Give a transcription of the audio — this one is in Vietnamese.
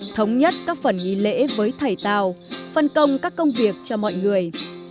thống nhất các phần nghi lễ với thầy tào phân công các công việc cho mọi người